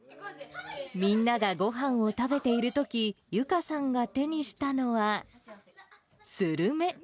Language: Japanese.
みんながごはんを食べているとき、ユカさんが手にしたのは、スルメ。